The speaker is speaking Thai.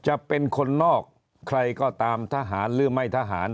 จะเป็นคนนอกใครก็ตามทหารหรือไม่ทหาร